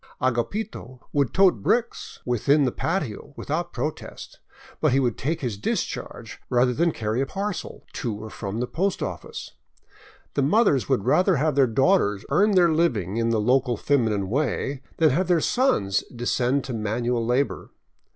Agapito would tote bricks within the patio without a protest, but he would take his discharge rather than carry a parcel to or from the post office. The mothers would rather have their daughters earn their living in the local feminine way than have their sons descend to manual labor.